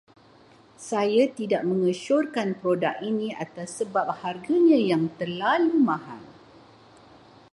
Saya tidak mengesyorkan produk ini atas sebab harganya yang terlalu mahal.